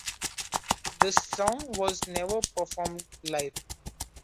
The song was never performed live.